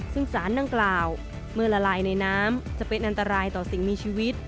ซึ่งสารดังกล่าวเมื่อละลายในน้ำจะเป็นอันตรายต่อสิ่งมีชีวิต